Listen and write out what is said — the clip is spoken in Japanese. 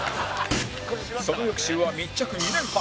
その翌週は密着２年半